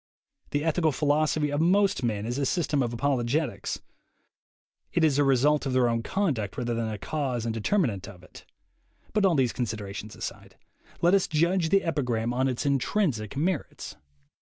The ethical philosophy of most men is a system of apologetics; it is a result of their own conduct rather than a cause and determinant of it. But all these considerations aside. Let us judge the epigram on its intrinsic merits.